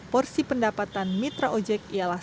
porsi pendapatan mitra ojek ialah